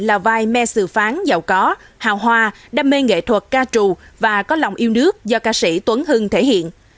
là vai mê sự phán giàu có hào hoa đam mê nghệ thuật ca trù và có lòng yêu nước do ca sĩ tuấn hưng thể hiện